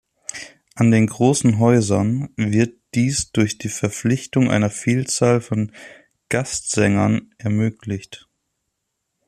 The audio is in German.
An den großen Häusern wird dies durch die Verpflichtung einer Vielzahl von Gastsängern ermöglicht.